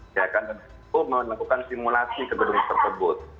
saya akan menemukan simulasi gedung tersebut